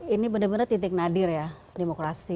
ini benar benar titik nadir ya demokrasi